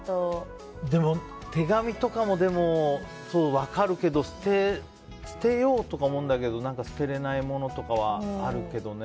でも、手紙とかも分かるけど捨てようとか思うんだけど捨てられないものとかはあるけどね。